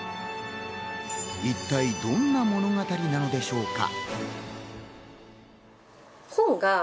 一体どんな物語なのでしょうか？